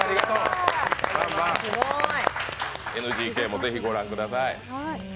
ＮＧＫもぜひ御覧ください。